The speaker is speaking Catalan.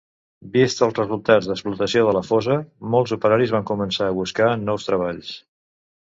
Vists els resultats d'explotació de la fosa, molts operaris van començar a buscar nous treballs.